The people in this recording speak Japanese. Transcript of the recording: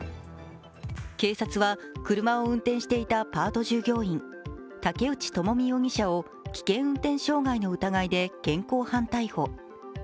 警察は車を運転していたパート従業員、竹内友見容疑者を危険運転傷害の疑いで現行犯逮捕。